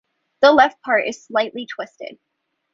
The left part is slightly twisted.